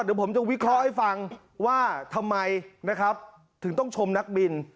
เดี๋ยวผมจะวิเคราะห์ให้ฟังว่าทำไมนะครับถึงต้องชมนักบิน